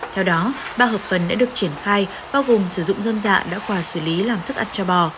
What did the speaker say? theo đó ba hợp phần đã được triển khai bao gồm sử dụng dâm dạ đã quà xử lý làm thức ăn cho bò